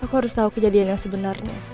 aku harus tahu kejadian yang sebenarnya